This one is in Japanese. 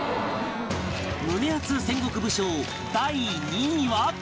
胸アツ戦国武将第２位は